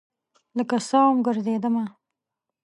لکه سا وم ګرزیدمه